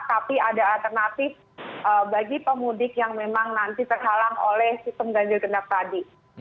tapi ada alternatif bagi pemudik yang memang nanti terhalang oleh sistem ganjil genap tadi